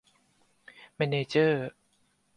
แมนเนอร์เจอร์